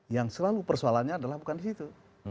yang selalu persoalannya adalah bukan di situ